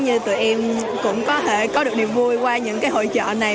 như tụi em cũng có thể có được niềm vui qua những cái hội trợ này